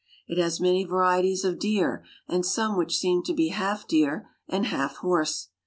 It has many varieties of deer, and some which seem to be half deer and half horse.